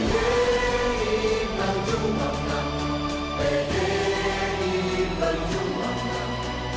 mati berjuangkan dgi berjuangkan